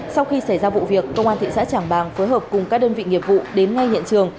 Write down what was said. sau khi xảy ra vụ việc công an thị xã trảng bàng phối hợp cùng các đơn vị nghiệp vụ đến ngay hiện trường